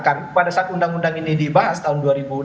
jadi kalau dalam undang undang ini dibahas tahun dua ribu enam belas